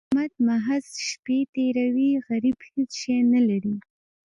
احمد محض شپې تېروي؛ غريب هيڅ شی نه لري.